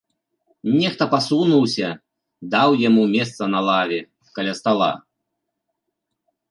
Нехта пасунуўся, даў яму месца на лаве, каля стала.